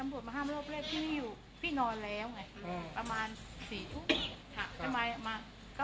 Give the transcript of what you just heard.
ตำรวจมาห้ามรอบแรกนี่เราอยู่ไหมคะ